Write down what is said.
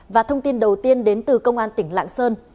và thông tin đầu tiên đến từ công an tỉnh lạng sơn